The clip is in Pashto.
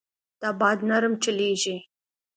دا باد نرم چلېږي.